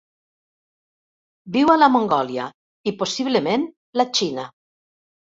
Viu a la Mongòlia i, possiblement, la Xina.